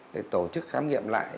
để tổ chức khám nghiệm lại